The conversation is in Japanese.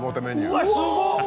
うわすごっ！